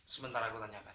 sebentar aku tanyakan